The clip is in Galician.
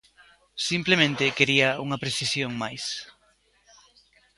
Simplemente quería unha precisión máis.